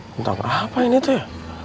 tentang apa ini tuh